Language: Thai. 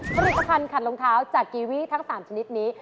ผลิตภัณฑ์ขัดรองเท้าจากกีวีทั้ง๓ชนิดนี้